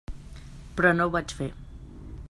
Però no ho vaig fer.